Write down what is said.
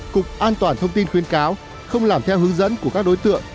cục an toàn thông tin khuyến cáo không làm theo hướng dẫn của các đối tượng